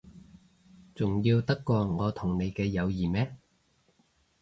重要得過我同你嘅友誼咩？